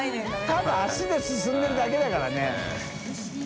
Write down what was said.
ただ足で進んでるだけだからね。